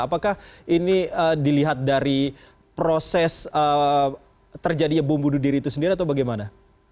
apakah ini dilihat dari proses terjadinya bom bunuh diri itu sendiri atau bagaimana